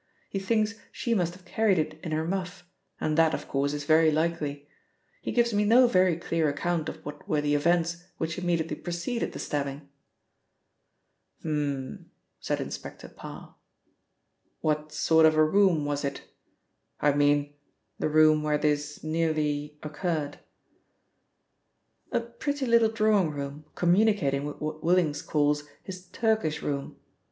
He thinks she must have carried it in her muff, and that, of course, is very likely. He gives me no very clear account of what were the events which immediately preceded the stabbing." "H'm," said Inspector Parr. "What sort of a room was it? I mean, the room where this nearly occurred?" "A pretty little drawing room communicating with what Willings calls his Turkish room.